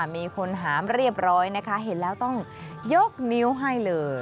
มีคนหามเรียบร้อยนะคะเห็นแล้วต้องยกนิ้วให้เลย